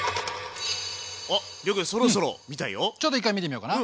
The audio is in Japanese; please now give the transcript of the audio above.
ちょっと１回見てみようかな？